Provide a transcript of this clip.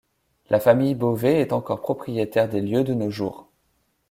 La famille Bovet est encore propriétaire des lieux de nos jours.